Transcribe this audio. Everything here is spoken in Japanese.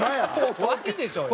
怖いでしょうよ。